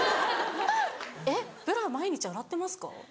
えっブラ毎日洗ってますか？